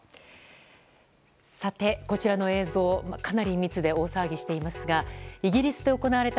さて、こちらの映像、かなり密で大騒ぎしていますがイギリスで行われた